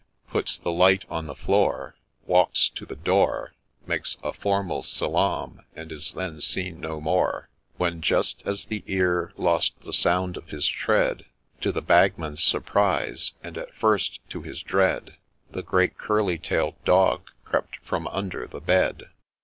' Puts the light on the floor, Walks to the door, Makes a formal Salaam, and is then seen no more : When just as the ear lost the sound of his tread, To the Bagman's surprise, and, at first, to his dread, The great curly tail'd Dog crept from under the bed